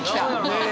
ねえ。